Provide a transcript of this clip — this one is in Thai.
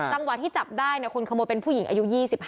จังหวะที่จับได้คนขโมยเป็นผู้หญิงอายุ๒๕